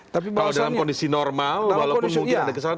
kalau dalam kondisi normal walaupun mungkin ada kesalahan